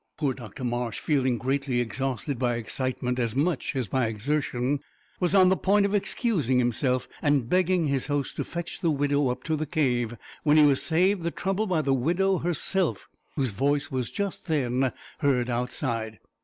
Poor Dr Marsh, feeling greatly exhausted by excitement as much as by exertion, was on the point of excusing himself and begging his host to fetch the widow up to the cave, when he was saved the trouble by the widow herself, whose voice was just then heard outside.